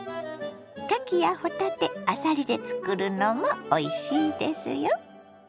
かきやほたてあさりで作るのもおいしいですよ。